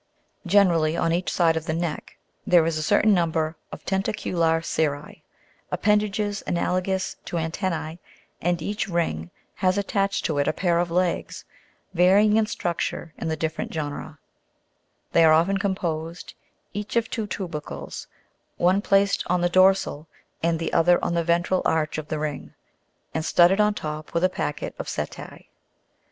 Generally, on each side of the neck there is a certain number of tentacular cirri, append ages analogous to antenna3, and each ring has attached to it a pair of legs, varying in structure in the different genera : they are often composed, each of two tubercles, one placed on the dorsal, and the other on the ventral arch of the ring, and studded on top with a packet of setse.